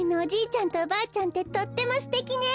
ちゃんとおばあちゃんってとってもすてきね。